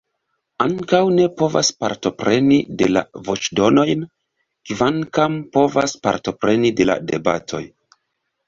Ankaŭ ne povas partopreni de la voĉdonojn, kvankam povas partopreni de la debatoj.